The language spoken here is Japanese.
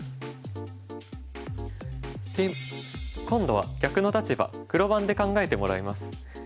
今度は逆の立場黒番で考えてもらいます。